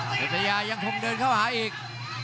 เพชรพัทยายังคงเดินเข้าหาเอก